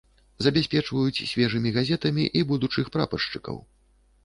Забяспечваюць свежымі газетамі і будучых прапаршчыкаў.